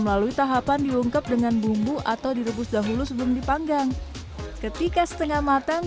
melalui tahapan diungkep dengan bumbu atau direbus dahulu sebelum dipanggang ketika setengah matang